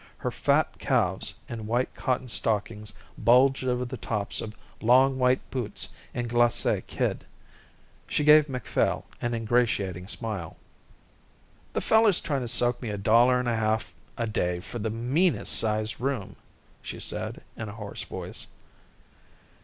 Her fat calves in white cotton stockings bulged over the tops of long white boots in glacé kid. She gave Macphail an ingratiating smile. "The feller's tryin' to soak me a dollar and a half a day for the meanest sized room," she said in a hoarse voice.